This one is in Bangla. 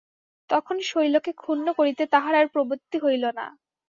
তখন শৈলকে ক্ষুণ্ন করিতে তাঁহার আর প্রবৃত্তি হইল না।